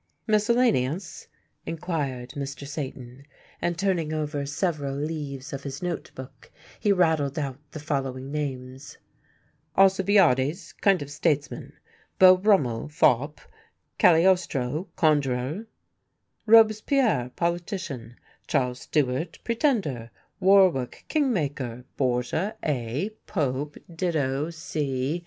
"Miscellaneous?" inquired Mr. Satan, and turning over several leaves of his notebook, he rattled out the following names: "Alcibiades, kind of statesman; Beau Brummel, fop; Cagliostro, conjurer; Robespierre, politician; Charles Stuart, Pretender; Warwick, King maker; Borgia, A., Pope; Ditto, C.